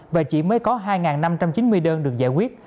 và chỉ mới có hai năm trăm chín mươi đơn được giải quyết